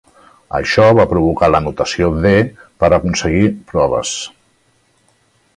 Això va provocar la "notació D" per aconseguir proves.